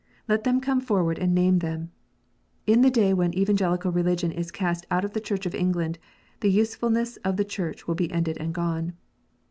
Let them come forward and name them. In the day when Evangelical Religion is cast out of the Church of England, the usefulness of the Church will be ended and gone.